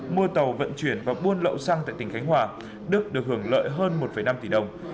mua tàu vận chuyển và buôn lậu xăng tại tỉnh khánh hòa đức được hưởng lợi hơn một năm tỷ đồng